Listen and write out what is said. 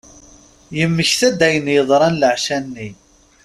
Yemmekta-d ayen yeḍran laɛca-nni.